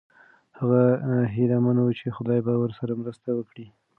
هغه هیله من و چې خدای به ورسره مرسته وکړي.